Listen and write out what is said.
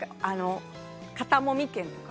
肩もみ券とか。